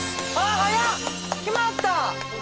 早っ決まった。